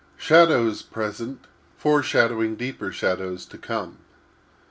Shadows present, foreshadowing deeper shadows to come.